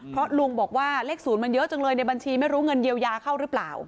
เพราะลุงบอกว่าเลข๐มันเยอะจังเลยในบัญชีไม่รู้เงินเยียวยาเข้าหรือเปล่า